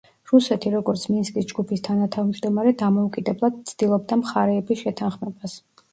რუსეთი, როგორც მინსკის ჯგუფის თანათავმჯდომარე, დამოუკიდებლად ცდილობდა მხარეების შეთანხმებას.